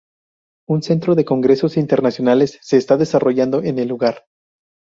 Un centro de congresos internacionales se está desarrollando en el lugar.